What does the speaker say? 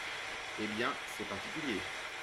Eh bien, c’est particulier…